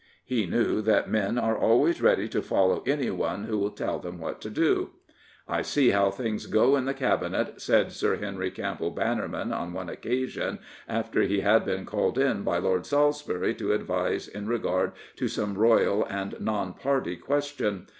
He knew that men are always ready to «54 Herbert Samuel follow anyone who will teD them what to do, "I see how things go in the Cabinet/* said Sir Henry Campbell Bannerman on one occasion, after he had been called in by Lord Salisbury to advise in regard to some Royal and non party question.